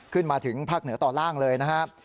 ขึ้นมาถึงภาคเหนือตอนล่างเลยนะครับ